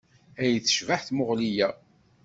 Ay tecbeḥ tmuɣli-a!